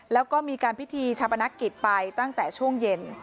แล้วก็มีการพิธีชาปนกิจไปตั้งแต่ช่วงเย็น